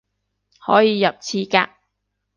可以入廁格